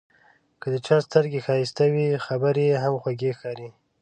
که د چا سترګې ښایسته وي، خبرې یې هم خوږې ښکاري.